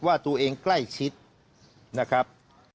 ว่าตัวเองใกล้ชิดนะครับ